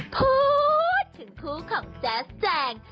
พูดถึงคู่ของแจ๊สแจง